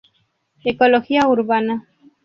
Ecología Urbana.